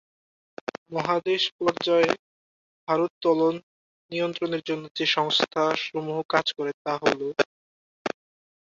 মহাদেশ পর্যায়ে ভারোত্তোলন নিয়ন্ত্রণের জন্য যে সংস্থা সমূহ কাজ করে তা হলঃ